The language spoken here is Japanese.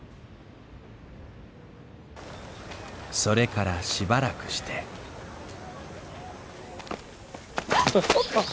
それからしばらくしてあっ！